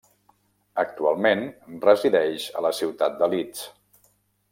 Actualment resideix a la ciutat de Leeds.